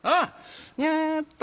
やっと。